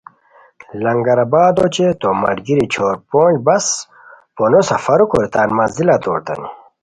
لنگرآبادو اوچے تو ملگیری چھور پونج بس پونو سفرو کوری تان منزل توریتانی